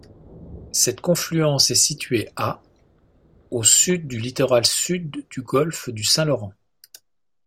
Cette confluence est située à au sud du littoral sud du golfe du Saint-Laurent.